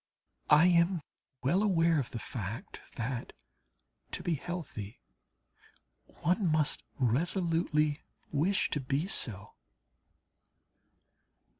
I am well aware of the fact that, to be healthy, one must resolutely wish to be so.